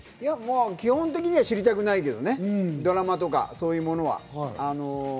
基本的には知りたくないけどね、ドラマとかそういうものは。